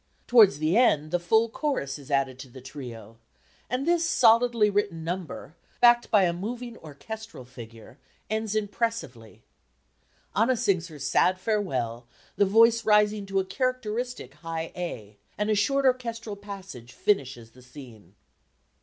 Towards the end the full chorus is added to the trio; and this solidly written number, backed by a moving orchestral figure, ends impressively. Anna sings her sad farewell, the voice rising to a characteristic high A, and a short orchestral passage finishes the scene.